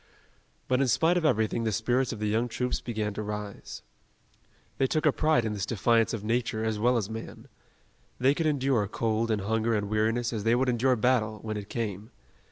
But in spite of everything the spirits of the young troops began to rise. They took a pride in this defiance of nature as well as man. They could endure cold and hunger and weariness as they would endure battle, when it came.